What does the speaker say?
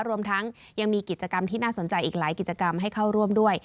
รวมทั้งยังมีกิจกรรมที่น่าสนใจอีกหลายกิจกรรมให้เข้าร่วมด้วย